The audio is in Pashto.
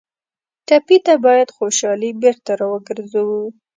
ټپي ته باید خوشالي بېرته راوګرځوو.